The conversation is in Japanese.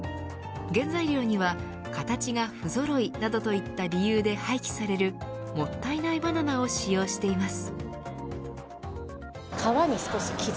原材料には形がふぞろいなどといった理由で廃棄される、もったいないバナナを使用しています。